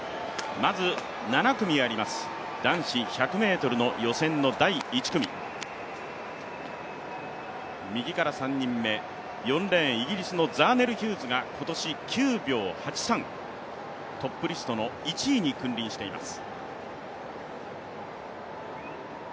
まず、７組あります、男子１００ｍの予選の第１組、右から３人目、４レーン、イギリスのザーネル・ヒューズが今年９秒８３、トップリストの１位に君臨しています。